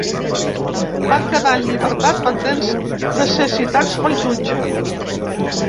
Van quedar en llibertat, pendents de ser citats pel jutge.